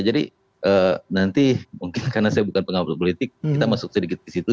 jadi nanti karena saya bukan pengabdok politik kita masuk sedikit ke situ